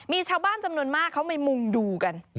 มีชาวบ้านจำนวนมากเขาไปมุ่งดูกัน